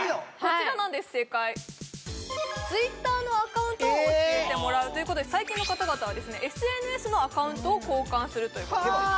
正解Ｔｗｉｔｔｅｒのアカウントを教えてもらうということで最近の方々はＳＮＳのアカウントを交換するということなんです